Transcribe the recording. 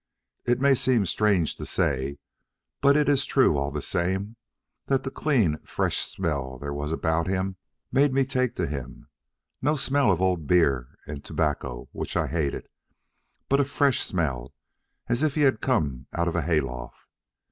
It may seem strange to say but it is true all the same that the clean, fresh smell there was about him made me take to him; no smell of old beer and tobacco, which I hated, but a fresh smell as if he had come out of a hayloft.